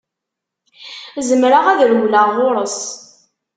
Zemreɣ ad rewleɣ ɣur-s.